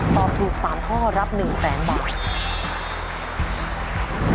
ตอบถูก๓ข้อรับ๑แสนบาท